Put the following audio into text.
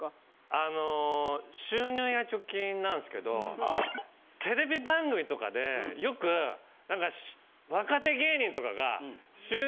あの収入や貯金なんですけどテレビ番組とかでよくなんか。